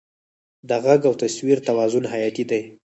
د غږ او تصویر توازن حیاتي دی.